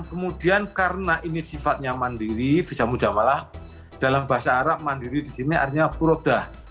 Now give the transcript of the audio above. kemudian karena ini sifatnya mandiri visa muja'at malah dalam bahasa arab mandiri disini artinya furodah